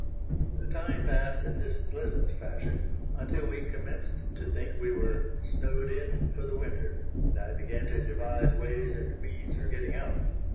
The time passed in this pleasant fashion until we commenced to think we were "snowed in" for the winter, and I began to devise ways and means for getting out.